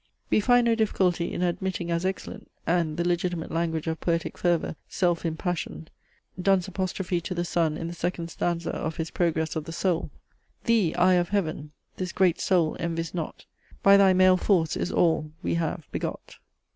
We find no difficulty in admitting as excellent, and the legitimate language of poetic fervour self impassioned, Donne's apostrophe to the Sun in the second stanza of his PROGRESS OF THE SOUL. "Thee, eye of heaven! this great Soul envies not; By thy male force is all, we have, begot.